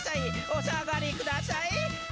「お下がりくださいー」